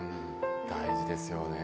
大事ですよね。